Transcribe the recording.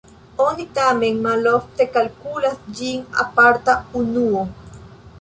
Oni tamen malofte kalkulas ĝin aparta unuo.